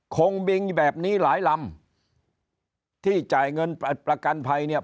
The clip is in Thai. บิงแบบนี้หลายลำที่จ่ายเงินประกันภัยเนี่ย